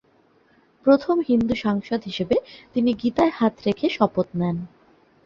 প্রথম হিন্দু সাংসদ হিসেবে তিনি গীতায় হাত রেখে শপথ নেন।